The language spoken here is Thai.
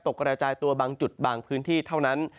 กระจายตัวบางจุดบางพื้นที่เท่านั้น